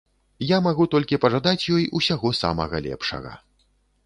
Я магу толькі пажадаць ёй усяго самага лепшага.